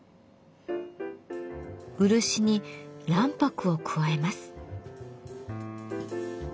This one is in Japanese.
漆に卵白を加えます。